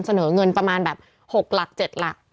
เสนอเงินประมาณแบบ๖หลัก๗หลัก